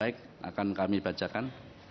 baik akan kami bacakan